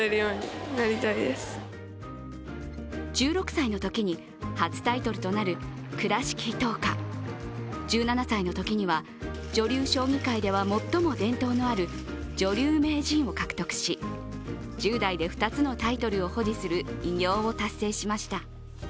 １６歳のときに初タイトルとなる倉敷藤花、１７歳のときには女流将棋界では最も伝統のある女流名人を獲得し、１０代で２つのタイトルを保持する偉業を達成しました。